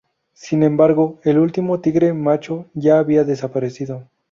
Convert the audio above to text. Sin embargo, el último tigre macho ya había desaparecido.